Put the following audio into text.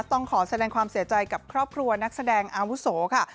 ต้องขอแสดงความเสียใจกับครอบครัวนักแสดงอาวุโสค่ะ